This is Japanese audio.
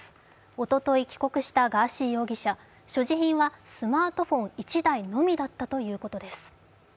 おととい帰国したガーシー容疑者所持品はスマートフォン１台のみだったということです。